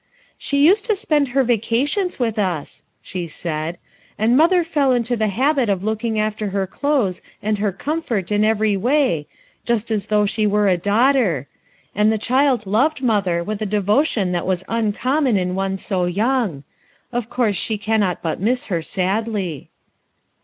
4 'She need to spend her vacations with us," she Faid, (* and mother fell info the habit of looking after her clothes and her comfort in tvery way, just as though she were a daughter; and the child loved mother with a devotion that is uncommon in one so young. Of course she cansot but miss her sadly."